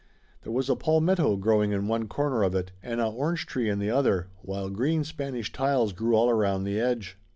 There was a palmetto growing in one corner of it, and a orange tree in the other, while green Spanish tiles grew all around the edge.